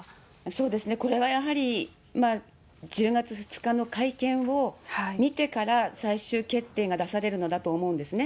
そうですね、これはやはり、１０月２日の会見を見てから、最終決定が出されるのだと思うんですね。